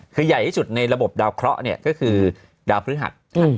คือใหญ่ที่สุดในระบบดาวเคราะห์ก็คือดาวพฤหัส